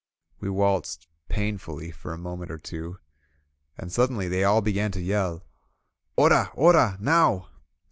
We waltzed painfully for a moment or two, and suddenly they all began to yell: ''Ora! Oral Now!"